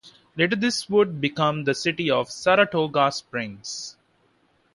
Later this would become the city of Saratoga Springs.